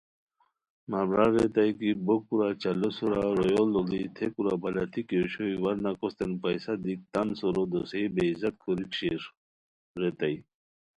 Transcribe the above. مہ برار ریتائے کی بوکُورا چالو سورا رویو لوڑی تھے کورا بلتی کی اوشوئے ورنہ کوستین پیسہ دیک تان سورو دوسئے بے عزت کوریک شیر ریتائے